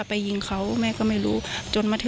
โทรไปถามว่าแม่ช่วยด้วยถูกจับ